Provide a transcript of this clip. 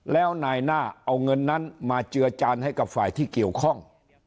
แล้วนายหน้าเอาเงินนั้นมาเจือจานให้กับฝ่ายที่เกี่ยวข้อง